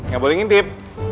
gak boleh ngintip